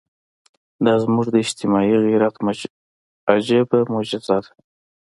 دا زموږ د اجتماعي غیرت عجیبه معجزه ده.